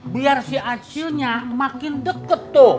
biar si acilnya makin deket tuh